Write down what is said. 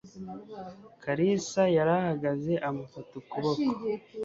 Kalisa yarahagaze amufata ukuboko